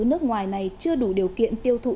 nước ngoài này chưa đủ điều kiện tiêu thụ